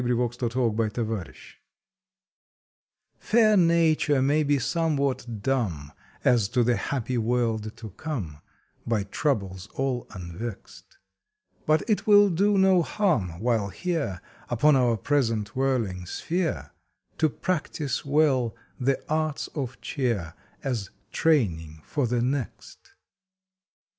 October Twenty ninth GOOD TRAINING T^AIR Nature may be somewhat dumb * As to the happy world to come, By troubles all unvext, But it will do no harm while here, Upon our present whirling sphere, To practise well the arts of cheer As training for the next.